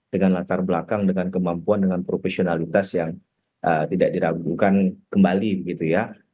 dengan latar belakang dengan kemampuan dengan profesionalitas yang tidak diragukan kembali gitu ya